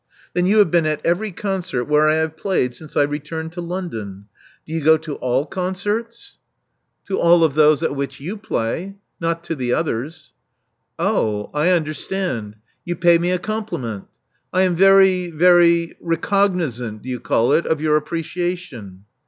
Then you have been at every concert where I have played since I returned to London. Do you go to all concerts?" Love Among the Artists 403 To all of those at which you play. Not to the others." Oh, I understand. You pay me a compliment. I am very — very recognizant, do you call it? — of your appreciation."